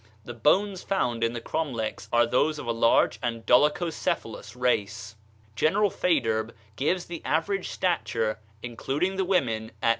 The bones found in the cromlechs are those of a large and dolichocephalous race. General Faidherbe gives the average stature (including the women) at 1.